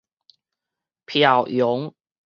飄揚